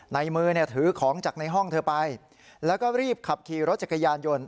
ในมือเนี่ยถือของจากในห้องเธอไปแล้วก็รีบขับขี่รถจักรยานยนต์